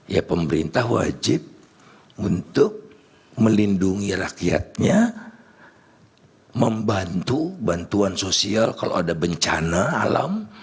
ya pemerintah wajib untuk melindungi rakyatnya membantu bantuan sosial kalau ada bencana alam